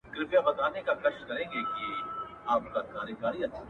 خپه سو” صرف يو غاړه چي هم ور نه کړله”